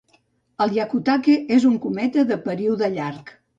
El Hyakutake és un cometa de període llarg.